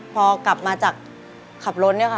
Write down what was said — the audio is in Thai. พอกลับมาจากขับรถเนี่ยค่ะ